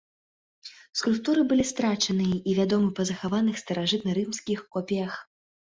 Скульптуры былі страчаны і вядомы па захаваных старажытнарымскіх копіях.